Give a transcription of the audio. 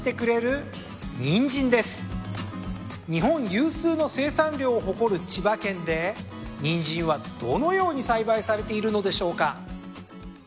日本有数の生産量を誇る千葉県でニンジンはどのように栽培されているのでしょうか。